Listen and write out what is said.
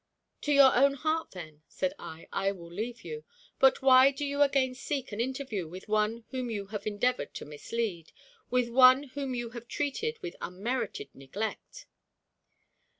"To your own heart, then," said I, "I will leave you. But why do you again seek an interview with one whom you have endeavored to mislead with one whom you have treated with unmerited neglect?"